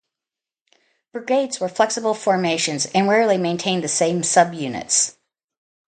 Brigades were flexible formations and rarely maintained the same subunits.